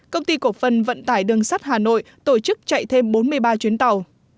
công ty cổ phần vận tải đường sắt hà nội tổ chức chạy thêm bốn mươi ba chuyến tàu